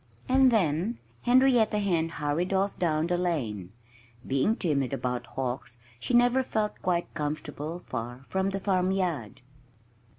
And then Henrietta Hen hurried off down the lane. Being timid about hawks, she never felt quite comfortable far from the farmyard.